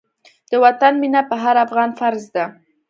د وطن مينه په هر افغان فرض ده.